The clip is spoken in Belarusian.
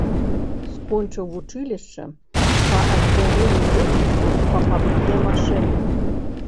Скончыў вучылішча па аддзяленні роспісу па пап'е-машэ.